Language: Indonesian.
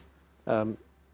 silahkan pak nino silahkan